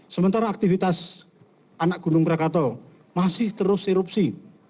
sementara aktivitas anak gunung rakatau masih terus erupsi